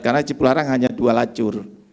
karena cipularang hanya dua lacur